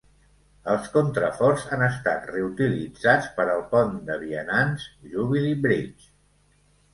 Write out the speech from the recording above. Els contraforts han estat reutilitzats per al pont de vianants Jubilee Bridge.